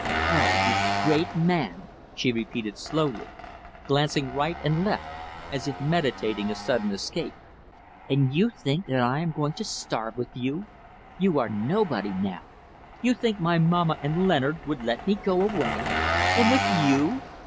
"Oh! you great man!" she repeated slowly, glancing right and left as if meditating a sudden escape. "And you think that I am going to starve with you. You are nobody now. You think my mamma and Leonard would let me go away? And with you!